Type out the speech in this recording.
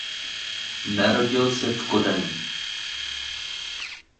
Narodil se v Kodani.